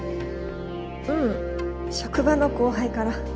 うん職場の後輩から。